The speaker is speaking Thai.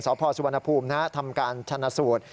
สพสุวรรณภูมิทำการชนะสูตร